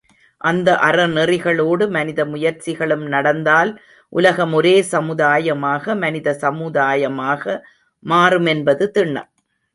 அந்த அறநெறிகளோடு மனித முயற்சிகளும் நடந்தால் உலகம் ஒரே சமுதாயமாக, மனித சமுதாயமாக மாறும் என்பது திண்ணம்!